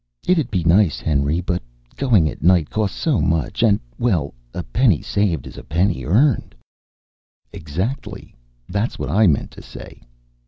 "It'd be nice, Henry. But going at night costs so much, and well, a penny saved is a penny earned." "Exactly. That's what I meant to say."